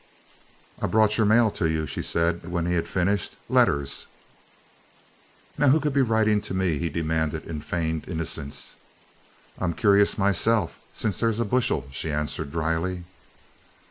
"I brought your mail to you," she said when he had finished. "Letters." "Now who could be writin' to me?" he demanded in feigned innocence. "I'm curious myself, since there's a bushel," she answered dryly.